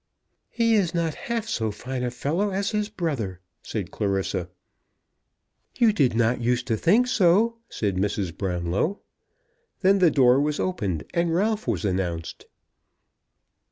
"He is not half so fine a fellow as his brother," said Clarissa. "You did not use to think so," said Mrs. Brownlow. Then the door was opened and Ralph was announced.